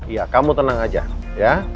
iya kamu tenang aja ya